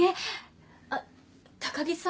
あっ高木さん